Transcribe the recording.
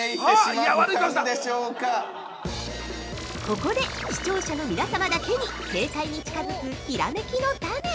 ◆ここで、視聴者の皆様だけに正解に近づくひらめきのタネ！